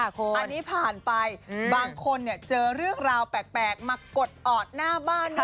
อันนี้ผ่านไปบางคนเจอเรื่องราวแปลกมากดออดหน้าบ้าน